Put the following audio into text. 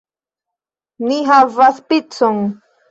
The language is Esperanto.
Ni havas picon!